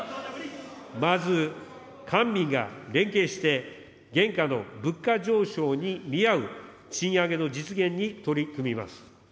まず、官民が連携して、現下の物価上昇に見合う賃上げの実現に取り組みます。